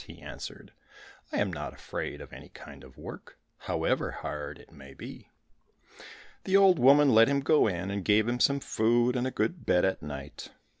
he answered, "I am not afraid of any kind of work, however hard it may be." The old woman let him go in, and gave him some food and a good bed at night.